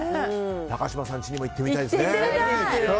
高嶋さんの家にも行ってみたいですね。